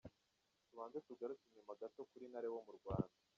Tubanze tugaruke inyuma gato kuri Ntare wo mu Rwanda ….